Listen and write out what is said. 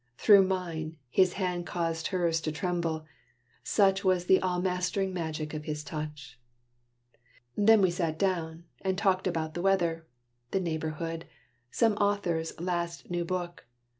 Through mine, his hand caused hers to tremble; such Was the all mast'ring magic of his touch. Then we sat down, and talked about the weather, The neighborhood some author's last new book.